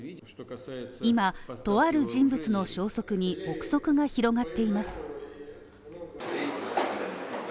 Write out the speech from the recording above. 今、とある人物の消息に憶測が広がっています。